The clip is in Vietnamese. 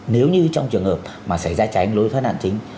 nếu như trong trường hợp xảy ra cháy lối thoát nạn chính